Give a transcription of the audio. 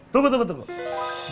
tunggu tunggu tunggu